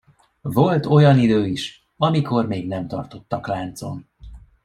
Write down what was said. Volt olyan idő is, amikor még nem tartottak láncon.